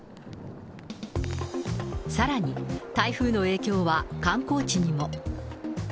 さらに、台風の影響は観光地にも。